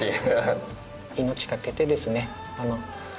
命懸けてですね